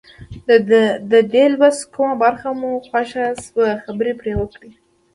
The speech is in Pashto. د دې لوست کومه برخه مو خوښه شوه خبرې پرې وکړئ.